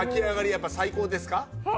やっぱり最高ですか？